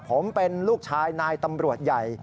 ผมเป็นลูกชายนายตำรวจใหญ่